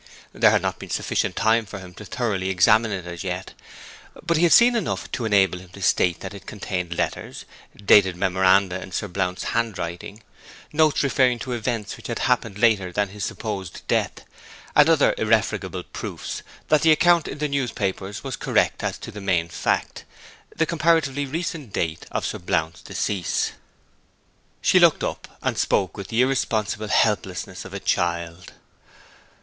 There had not been sufficient time for him to thoroughly examine it as yet, but he had seen enough to enable him to state that it contained letters, dated memoranda in Sir Blount's handwriting, notes referring to events which had happened later than his supposed death, and other irrefragable proofs that the account in the newspapers was correct as to the main fact the comparatively recent date of Sir Blount's decease. She looked up, and spoke with the irresponsible helplessness of a child.